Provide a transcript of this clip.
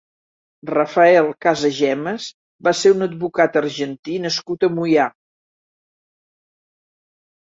Rafael Casagemas va ser un advocat argentí nascut a Moià.